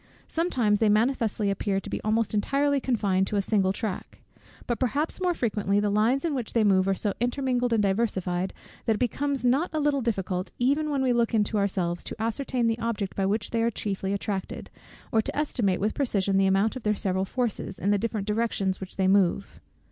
Sometimes they manifestly appear to be almost entirely confined to a single track; but perhaps more frequently the lines in which they move are so intermingled and diversified, that it becomes not a little difficult, even when we look into ourselves, to ascertain the object by which they are chiefly attracted, or to estimate with precision the amount of their several forces, in the different directions in which they move.